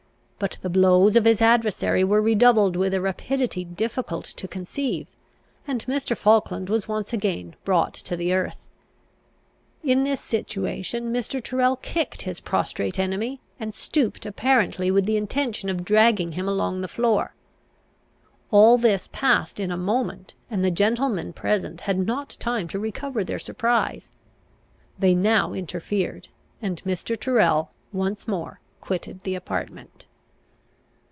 But the blows of his adversary were redoubled with a rapidity difficult to conceive, and Mr. Falkland was once again brought to the earth. In this situation Mr. Tyrrel kicked his prostrate enemy, and stooped apparently with the intention of dragging him along the floor. All this passed in a moment, and the gentlemen present had not time to recover their surprise. They now interfered, and Mr. Tyrrel once more quitted the apartment.